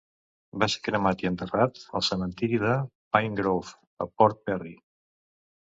Va ser cremat i enterrat al cementiri de Pine Grove a Port Perry.